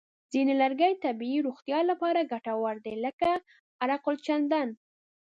ځینې لرګي د طبیعي روغتیا لپاره ګټور دي، لکه عرقالچندڼ.